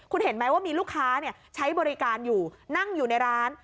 คุณเห็นไหมว่ามีลูกค้าใช้บริการอยู่นั่งอยู่ในร้าน